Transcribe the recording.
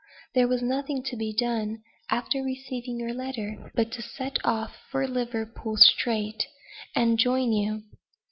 there was nothing to be done, after receiving your letter, but to set off for Liverpool straight, and join you.